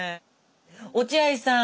落合さん